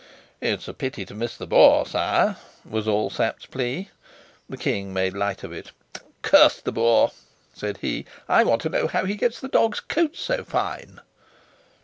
"It's a pity to miss the boar, sire," was all Sapt's plea. The king made light of it. "Curse the boar!" said he. "I want to know how he gets the dogs' coats so fine."